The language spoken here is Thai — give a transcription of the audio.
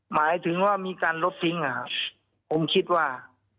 หมายถึงว่ามีการลดทิ้งนะครับผมคิดว่า